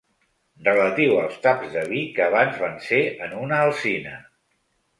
Relatiu als taps de vi que abans van ser en una alzina.